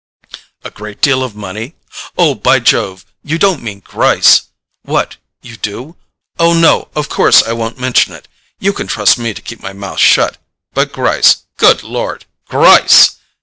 "A great deal of money? Oh, by Jove—you don't mean Gryce? What—you do? Oh, no, of course I won't mention it—you can trust me to keep my mouth shut—but Gryce—good Lord, GRYCE!